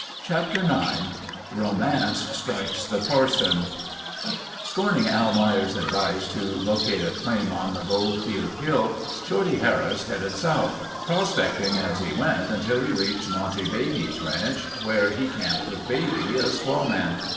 Chapter IX Romance Strikes the Parson Scorning Al Myers's advice to locate a claim on the Goldfield hill, Shorty Harris headed south, prospecting as he went until he reached Monte Beatty's ranch where he camped with Beatty, a squaw man.